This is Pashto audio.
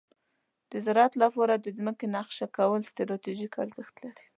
د زراعت لپاره د ځمکې نقشه کول ستراتیژیک ارزښت لري.